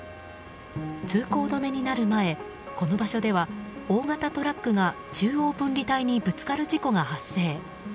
通行止めになる前、この場所では大型トラックが中央分離帯にぶつかる事故が発生。